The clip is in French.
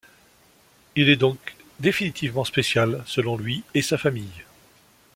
Il est donc définitivement spécial, selon lui et sa famille.